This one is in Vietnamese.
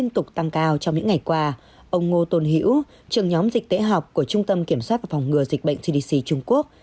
trong những ngày qua ông ngô tôn hiễu trưởng nhóm dịch tễ học của trung tâm kiểm soát và phòng ngừa dịch bệnh cdc trung quốc